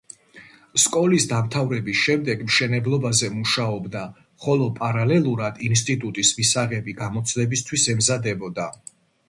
სკოლის დამთავრების შემდეგ მშენებლობაზე მუშაობდა, ხოლო პარალელურად ინსტიტუტის მისაღები გამოცდებისთვის ემზადებოდა.